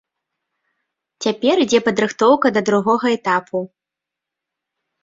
Цяпер ідзе падрыхтоўка да другога этапу.